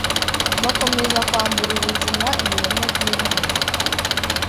bakomeza kwambura ubuzima ibiremwa by’Imana,